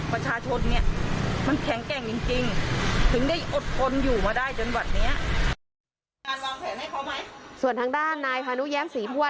การการลองแข่งให้เขาไหมส่วนทางด้านนายพนุแยฟศรีพวช